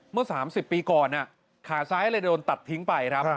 เมื่อ๓๐ปีก่อนขาซ้ายเลยโดนตัดทิ้งไปครับ